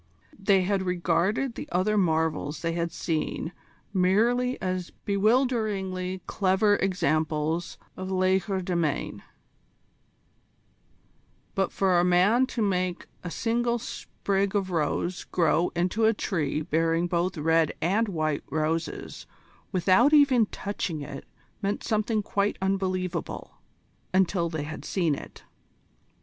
They had regarded the other marvels they had seen merely as bewilderingly clever examples of legerdemain: but for a man to make a single sprig of rose grow into a tree bearing both red and white roses without even touching it meant something quite unbelievable until they had seen it.